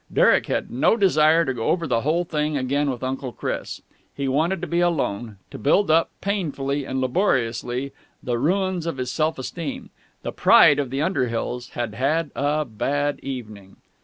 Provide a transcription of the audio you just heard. Derek had no desire to go over the whole thing again with Uncle Chris. He wanted to be alone, to build up, painfully and laboriously, the ruins of his self esteem. The pride of the Underhills had had a bad evening.